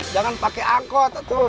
jangan pakai angkot atuh